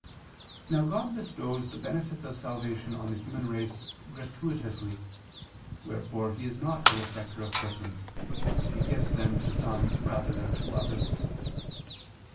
Now God bestows the benefits of salvation on the human race gratuitously: wherefore He is not a respecter of persons, if He gives them to some rather than to others.